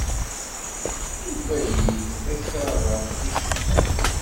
Yufa-iyi-d takrabaḍt icebḥen.